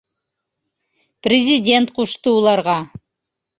Президент ҡушты уларға!